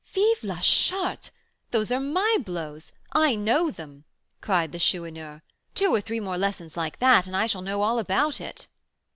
"Vive la Charte! those are my blows, I know them," cried the Chourineur; "two or three more lessons like that, and I shall know all about it."